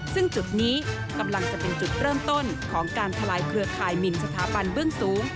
ซึ่งจุดนี้กำลังจะเป็นจุดเริ่มต้นของการทลายเครือข่ายหมินสถาบันเบื้องสูง